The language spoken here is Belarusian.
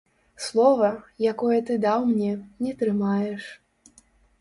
Слова, якое ты даў мне, не трымаеш.